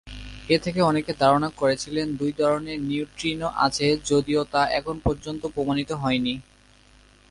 এ থেকে অনেকে ধারণা করেছিলেন দুই ধরনের নিউট্রিনো আছে যদিও তা তখন পর্যন্ত প্রমাণিত হয়নি।